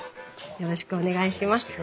よろしくお願いします。